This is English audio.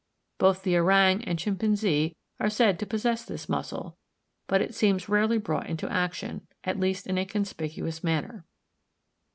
Both the orang and chimpanzee are said to possess this muscle, but it seems rarely brought into action, at least in a conspicuous manner.